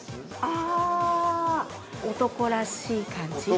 ◆ああー、男らしい感じ？